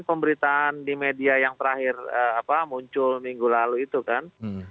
pemberitaan di media yang terakhir muncul minggu lalu itu kan